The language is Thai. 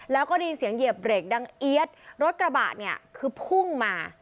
แล้วก็ได้ยินเสียงเหยียบเบรกดังเอี๊ยดรถกระบะเนี่ยคือพุ่งมา